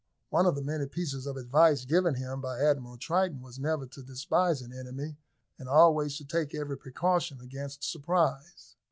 One of the many pieces of advice given him by Admiral Triton was never to despise an enemy, and always to take every precaution against surprise.